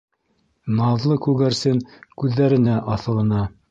Наҙлы күгәрсен күҙҙәренә аҫылына.